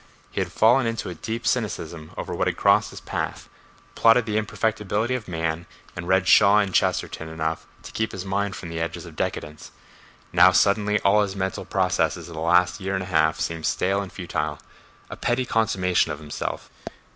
He had fallen into a deep cynicism over what had crossed his path, plotted the imperfectability of man and read Shaw and Chesterton enough to keep his mind from the edges of decadence—now suddenly all his mental processes of the last year and a half seemed stale and futile—a petty consummation of himself...